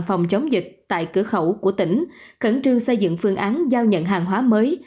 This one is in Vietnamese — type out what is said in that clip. phòng chống dịch tại cửa khẩu của tỉnh khẩn trương xây dựng phương án giao nhận hàng hóa mới